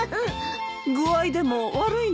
具合でも悪いのかい？